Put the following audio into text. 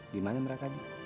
di mana mereka d